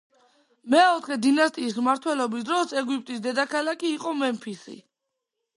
მეოთხე დინასტიის მმართველობის დროს ეგვიპტის დედაქალაქი იყო მემფისი.